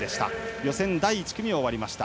予選第１組は終わりました。